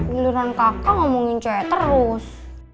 beneran kakak ngomongin cewek terus